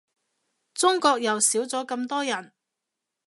中國又少咗咁多人